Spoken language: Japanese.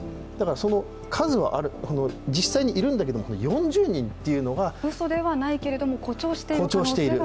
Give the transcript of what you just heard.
その数は実際にいるんだけど４０人というのはうそではないけれども誇張している可能性がある？